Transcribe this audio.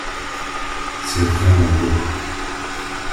C’est vraiment beau.